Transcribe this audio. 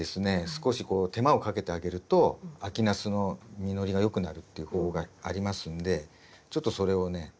少しこう手間をかけてあげると秋ナスの実りがよくなるっていう方法がありますんでちょっとそれをね